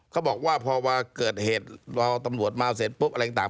เขาบอกว่าพอเกิดเหตุรอตำรวจมาเสร็จปุ๊บอะไรต่าง